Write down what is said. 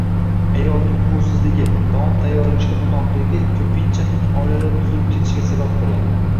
Ayolning uquvsizligi, taom tayyorlashga no‘noqligi ko‘pincha oilalar buzilib ketishiga sabab bo‘ladi.